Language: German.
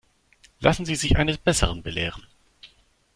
Lassen Sie sich eines Besseren belehren.